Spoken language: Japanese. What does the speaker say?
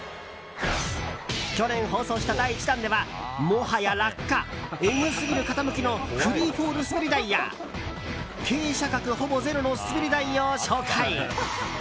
去年、放送した第１弾ではもはや落下えぐすぎる傾きのフリーフォール滑り台や傾斜角ほぼゼロの滑り台を紹介。